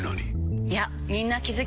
いやみんな気付き始めてます。